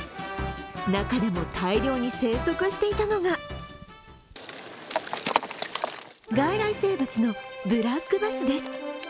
中でも大量に生息していたのが外来生物のブラックバスです。